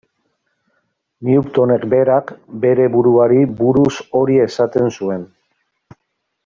Newtonek berak bere buruari buruz hori esaten zuen.